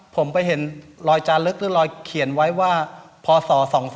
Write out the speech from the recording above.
ผมไปเห็นรอยจานลึกหรือรอยเขียนไว้ว่าพศ๒๔